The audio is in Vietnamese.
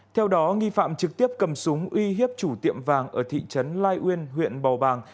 theo đó nghi phạm trực tiếp cầm súng uy hiếp chủ tiệm vàng ở thị trấn lai uyên huyện bầu bàng